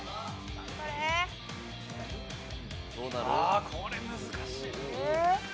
ああこれ難しい。